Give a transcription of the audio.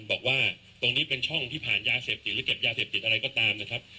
บอกว่าตรงนี้เป็นช่องที่ผ่านยาเสพติดหรือเก็บยาเสพติดอะไรก็ตามนะครับ